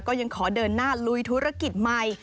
ก็ยังขอเดินหน้าลุยธุรกิจใหม่